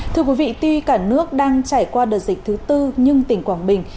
thưa quý vị tuy cả nước đang trải qua đợt dịch thứ tư nhưng tỉnh quảng bình